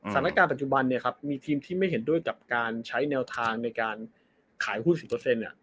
สถานการณ์ปัจจุบันเนี่ยครับมีทีมที่ไม่เห็นด้วยกับการใช้แนวทางในการขายหุ้น๑๐